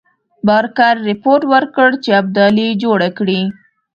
بارکر رپوټ ورکړ چې ابدالي جوړه کړې.